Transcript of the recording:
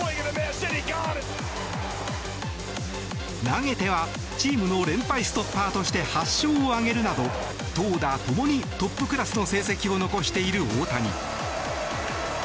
投げてはチームの連敗ストッパーとして８勝を挙げるなど、投打ともにトップクラスの成績を残している大谷。